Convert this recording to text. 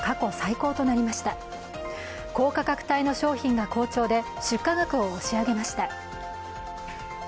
高価格帯の商品が好調で出荷額を押し上げました。